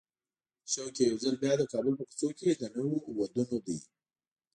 شوق یې یو ځل بیا د کابل په کوڅو کې د نویو وادونو دی.